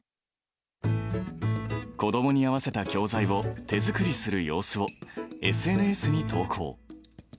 子どもに合わせた教材を手作りする様子をＳＮＳに投稿。